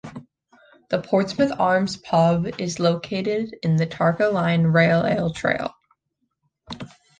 The "Portsmouth Arms" pub is included in the Tarka Line rail ale trail.